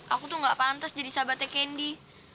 aku tuh gak pantas jadi sahabatnya kendi